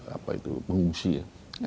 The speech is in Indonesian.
apa itu mengungsi ya